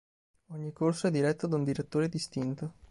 Ogni corso è diretto da un direttore distinto.